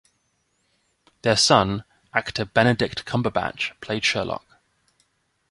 Their son, actor Benedict Cumberbatch, played Sherlock.